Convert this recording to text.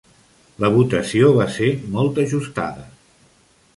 La votació va ser molt ajustada.